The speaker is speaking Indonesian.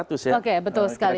oke betul sekali